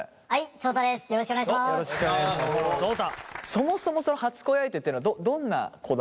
そもそもその初恋相手っていうのはどんな子だったの？